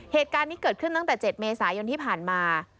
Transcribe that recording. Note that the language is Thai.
เหตุการณ์นี้เกิดขึ้นตั้งแต่๗เมษายนที่ผ่านมา